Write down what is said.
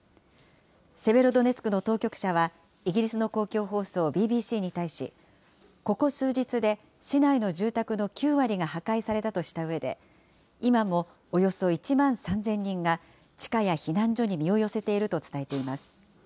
セベロドネツクの当局者は、イギリスの公共放送ＢＢＣに対し、ここ数日で、市内の住宅の９割が破壊されたとしたうえで、今もおよそ１万３０００人が地下や避難所に身を寄せていると伝えています。